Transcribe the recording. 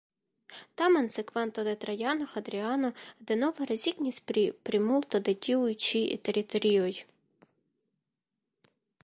Tamen sekvanto de Trajano, Hadriano, denove rezignis pri plimulto de tiuj ĉi teritorioj.